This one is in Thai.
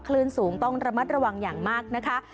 คลื่นสูงต้องระมัดระวังอย่างมากนะคะ